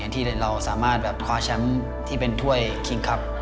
ที่เราสามารถคว้าแชมป์ที่เป็นถ้วยคิงคลับ